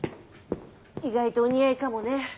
意外とお似合いかもね。